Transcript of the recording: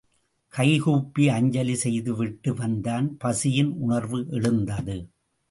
கைகூப்பி அஞ்சலி செய்துவிட்டு வந்தான்... பசியின் உணர்வு எழுந்தது.